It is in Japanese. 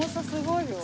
すごい！